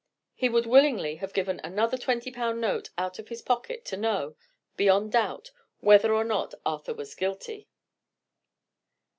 He would willingly have given another twenty pound note out of his pocket to know, beyond doubt, whether or not Arthur was guilty.